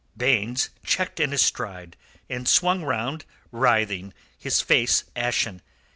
Baynes checked in his stride, and swung round writhing, his face ashen.